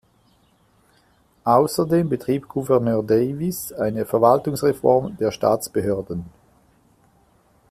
Außerdem betrieb Gouverneur Davis eine Verwaltungsreform der Staatsbehörden.